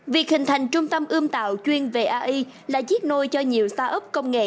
việc hình thành trung tâm ươm tạo chuyên về ai là chiếc nôi cho nhiều start up công nghệ